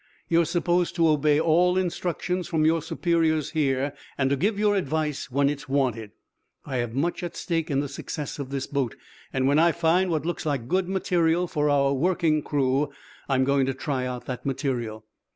"You're supposed to obey all instructions from your superiors here, and to give your advice when it's wanted. I have much at stake in the success of this boat, and when I find what looks like good material for our working crew I'm going to try out that material."